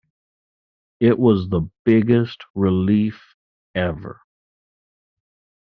It was the biggest relief ever.